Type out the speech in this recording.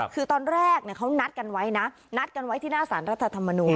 คือตอนแรกเขานัดกันไว้นะนัดกันไว้ที่หน้าสารรัฐธรรมนูล